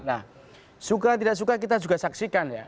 nah suka tidak suka kita juga saksikan ya